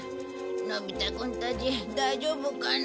のび太くんたち大丈夫かな？